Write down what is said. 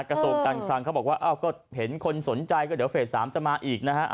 กระโตกกันครังเขาบอกว่าเห็นคนสนใจเดี๋ยวเฟส๓จะมาอีกนะคะ